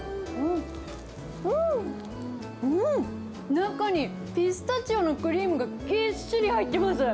中にピスタチオのクリームがぎっしり入ってます。